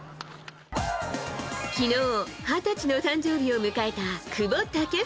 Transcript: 昨日、二十歳の誕生日を迎えた久保建英。